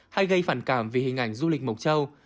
hay gây phản cảm vì hình ảnh du lịch mộc châu